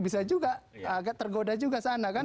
bisa juga agak tergoda juga sana kan